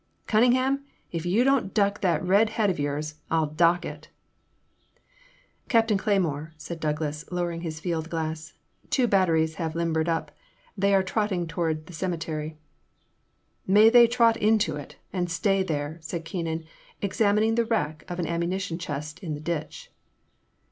— Cunningham, if you don't duck that red head of yours, I '11 dock it !"Captain Cleymore," said Douglas, lowering his field glass, two batteries have limbered up, and are trotting toward the cemetery "'* May they trot into it, and stay there!" said Keenan, examining the wreck of an ammu nition chest in the ditch.